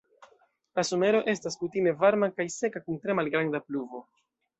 La somero estas kutime varma kaj seka kun tre malgranda pluvo.